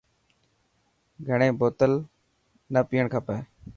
گهڻي بوتل نا پئڻ کپي.